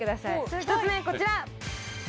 １つ目こちら。